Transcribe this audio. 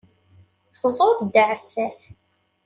Tẓur-d aɛessas.